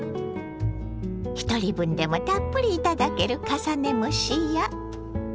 ひとり分でもたっぷり頂ける重ね蒸しや。